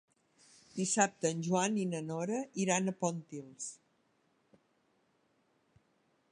Dissabte en Joan i na Nora iran a Pontils.